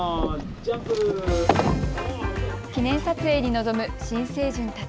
記念撮影に臨む新成人たち。